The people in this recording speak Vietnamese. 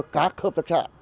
các hợp tác xã